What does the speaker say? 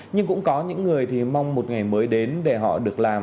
nhưng cũng có những người thì mong một ngày mới đến để họ được làm